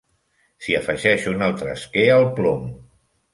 S'hi afegeix un altre esquer al plom.